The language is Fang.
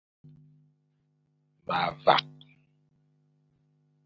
Ma vak.